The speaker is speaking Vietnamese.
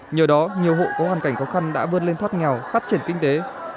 nhờ đó nhiều hộ có hoàn cảnh khó khăn đã vươn lên thoát nghèo phát triển kinh tế